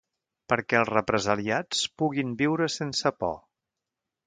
Perquè els represaliats puguin viure sense por.